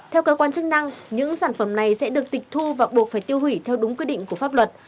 theo cơ quan chức năng những sản phẩm này sẽ được tịch thu và buộc phải tiêu hủy theo đúng quy định của pháp luật